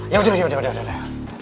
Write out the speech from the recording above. yaudah yaudah yaudah